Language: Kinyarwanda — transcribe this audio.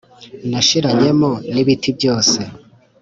nashiranyemo nibiti byose